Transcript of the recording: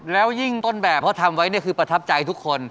แล้วยิ่งต้นแบบเขาทำไว้เนี่ยคือประทับใจทุกคน